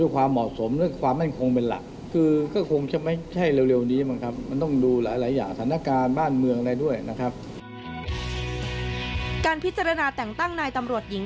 การพิจารณาแต่งตั้งนายตำรวจหญิง